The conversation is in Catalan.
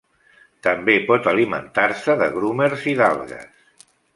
També pot alimentar-se de grumers i d'algues.